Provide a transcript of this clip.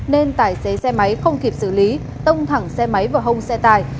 nên tài xế xe máy không kịp xử lý tông thẳng xe máy vào hông xe tải